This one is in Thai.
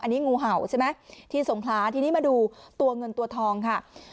ใช่ไหมที่สงคลาทีนี้มาดูตัวเงินตัวทองค่ะ